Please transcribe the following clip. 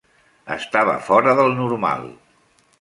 Estava fora del normal.